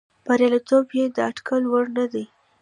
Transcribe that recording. بریالیتوب یې د اټکل وړ نه دی.